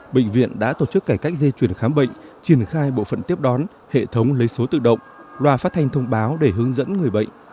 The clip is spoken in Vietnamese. bệnh viện đã tổ chức cải cách dây chuyển khám bệnh triển khai bộ phận tiếp đón hệ thống lấy số tự động loa phát thanh thông báo để hướng dẫn người bệnh